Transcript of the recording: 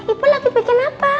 ibu lagi bikin apa